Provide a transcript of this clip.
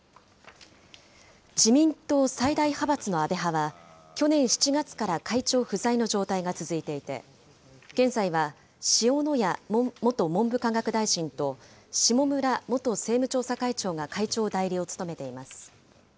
自民党最大派閥の安倍派は、去年７月から会長不在の状態が続いていて、現在は塩谷元文部科学大臣と下村元政務調査会長が会長代理を務めています。